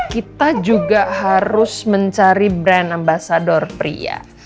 kita juga harus mencari brand ambasador pria